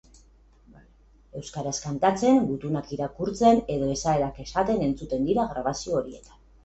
Euskaraz kantatzen, gutunak irakurtzen edo esaerak esaten entzuten dira grabazio horietan.